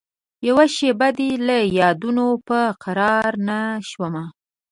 یوه شېبه دي له یادونوپه قرارنه شومه